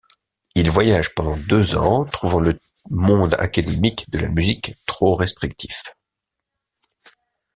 Il voyage pendant deux ans, trouvant le monde académique de la musique trop restrictif.